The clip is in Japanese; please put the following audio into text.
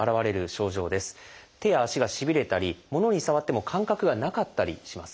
手や足がしびれたり物に触っても感覚がなかったりします。